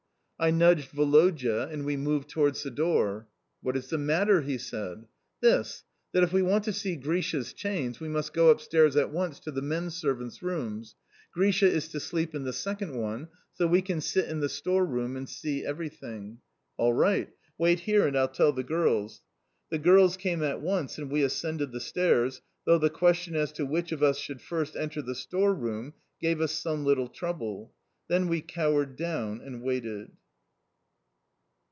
I nudged Woloda, and we moved towards the door. "What is the matter?" he said. "This that if we want to see Grisha's chains we must go upstairs at once to the men servants' rooms. Grisha is to sleep in the second one, so we can sit in the store room and see everything." "All right. Wait here, and I'll tell the girls." The girls came at once, and we ascended the stairs, though the question as to which of us should first enter the store room gave us some little trouble. Then we cowered down and waited.